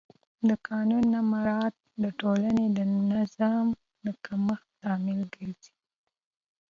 د قانون نه مراعت د ټولنې د نظم د کمښت لامل ګرځي